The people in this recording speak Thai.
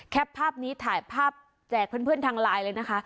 ภาพนี้ถ่ายภาพแจกเพื่อนทางไลน์เลยนะคะ